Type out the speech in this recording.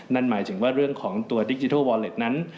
นั่นหมายถึงว่าเรื่องของตัวดิจิทัลวอลเล็ตนั้น